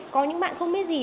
có những bạn không biết gì